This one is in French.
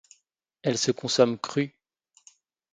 Elle se consomme crue.